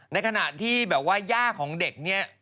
ในขณะที่แบบว่าย่าของเด็กเนี่ย